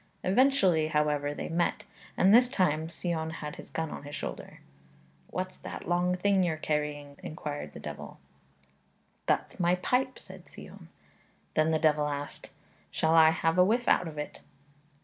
Eventually, however, they met, and this time Sion had his gun on his shoulder. 'What's that long thing you're carrying?' inquired the devil. 'That's my pipe,' said Sion. Then the devil asked, 'Shall I have a whiff out of it?'